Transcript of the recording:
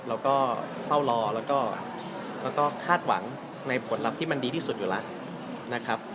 เราก็เฝ้ารอแล้วก็คาดหวังในผลลัพธ์ที่มันดีที่สุดอยู่แล้วนะครับ